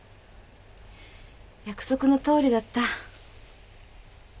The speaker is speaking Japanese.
約束のとおりだった。